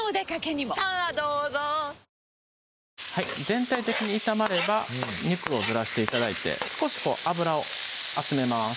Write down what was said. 全体的に炒まれば肉をずらして頂いて少し油を集めます